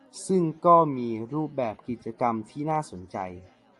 ซึ่งก็มีรูปแบบกิจกรรมที่น่าสนใจ